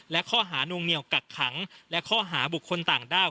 และข้อหานวงเหนียวกักขังและข้อหาบุคคลต่างด้าว